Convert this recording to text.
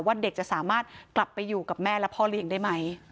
เด็กจะสามารถกลับไปอยู่กับแม่และพ่อเลี้ยงได้ไหม